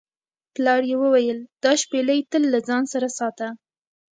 پلار یې وویل دا شپیلۍ تل له ځان سره ساته.